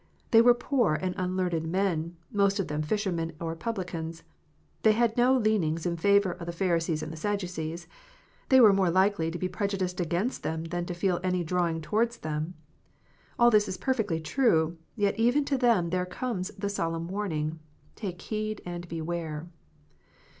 They were poor and unlearned men, most of them fishermen or publicans ; they had no lean ings in favour of the Pharisees and the Sadducees ; they were more likely to be prejudiced against them than to feel any draw ing towards them. All this is perfectly true ; yet even to them there comes the solemn warning : "Take heed and beware."